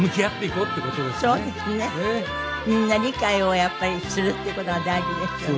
みんな理解をやっぱりするっていう事が大事ですよね。